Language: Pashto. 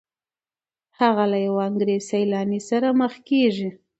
هغه له یو انګریز سیلاني سره مخ کیږي.